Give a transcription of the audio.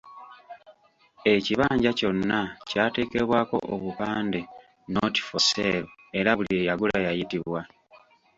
Ekibanja kyonna kyateekebwako obupande 'not for sale' era buli eyagula yayitibwa.